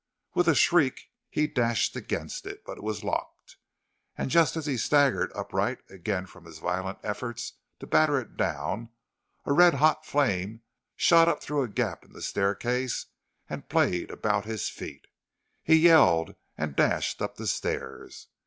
With a shriek, he dashed against it; but it was locked; and just as he staggered upright again from his violent efforts to batter it down, a red hot flame shot up through a gap in the staircase and played about his feet. He yelled, and dashed up the stairs.